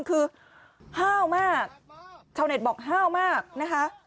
คือห้าวมากชาวเน็ตบอกห้าวมากนะคะ